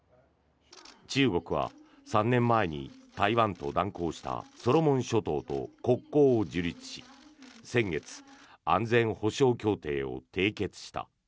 中国は３年前に台湾と断交したソロモン諸島と国交を樹立し先月、安全保障協定を締結した。